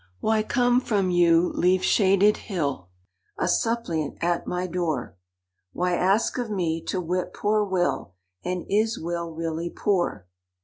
"Why come from you leaf shaded hill, A suppliant at my door?— Why ask of me to whip poor Will? And is Will really poor?